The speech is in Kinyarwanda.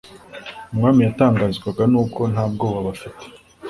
Umwami yatangazwaga n'uko ntabwoba bafite